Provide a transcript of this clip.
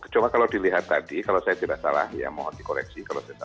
coba kalau dilihat tadi kalau saya tidak salah ya mohon dikoreksi kalau saya salah